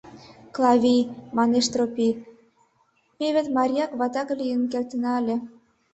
— Клавий, — манеш Тропий, — ме вет марияк-ватак лийын кертына ыле.